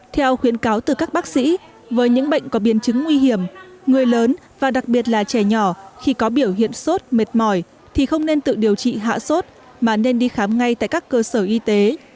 theo khuyến cáo từ các bác sĩ với những bệnh có biến chứng nguy hiểm người lớn và đặc biệt là trẻ nhỏ khi có biểu hiện sốt mệt mỏi thì không nên tự điều trị hạ sốt mà nên đi khám ngay tại các cơ sở y tế